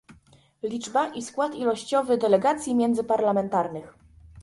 Liczba i skład ilościowy delegacji międzyparlamentarnych